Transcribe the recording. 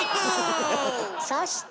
そして！